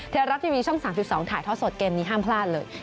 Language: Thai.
ไทยรัฐทีวีช่อง๓๒ถ่ายทอดสดเกมนี้ห้ามพลาดเลย